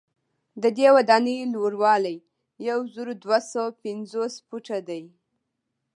ددې ودانۍ لوړوالی یو زر دوه سوه پنځوس فوټه دی.